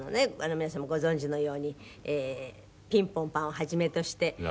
皆さんもご存じのように『ピンポンパン』を始めとして。